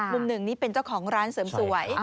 มุมหนึ่งนี่เป็นเจ้าของร้านเสริมสวย